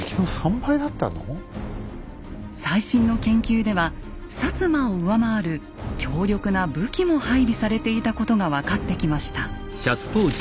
最新の研究では摩を上回る強力な武器も配備されていたことが分かってきました。